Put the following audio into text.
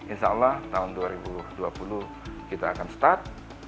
insya allah tahun dua ribu dua puluh kita akan start